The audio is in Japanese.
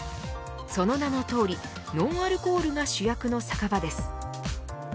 その名のとおりノンアルコールが主役の酒場です。